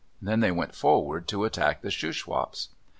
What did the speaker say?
Then they went forward to attack the Shuswaps.